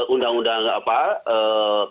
undang undang karantina kesehatan